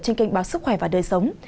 trên kênh báo sức khỏe và đời sống